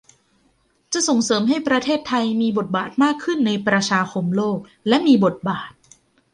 จะส่งเสริมให้ประเทศไทยมีบทบาทมากขึ้นในประชาคมโลกและมีบทบาท